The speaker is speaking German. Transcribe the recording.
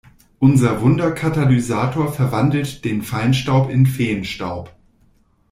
Unser Wunderkatalysator verwandelt den Feinstaub in Feenstaub.